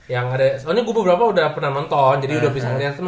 yang ada soalnya gue beberapa udah pernah nonton jadi udah bisa ngeliat semua